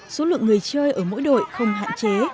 số lượng người chơi ở mỗi đội không hạn chế